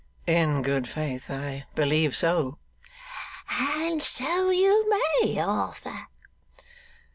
'In good faith, I believe so.' 'And so you may, Arthur.